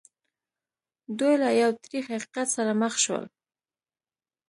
دوی له یو تریخ حقیقت سره مخ شول